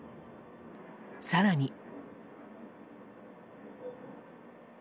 更に。